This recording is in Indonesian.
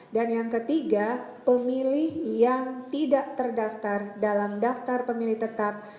yang ketiga pemilih yang tidak terdaftar dalam daftar pemilih tetap